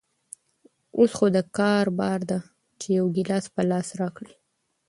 اوس خو دکار بار ده چې يو ګيلاس په لاس راکړي.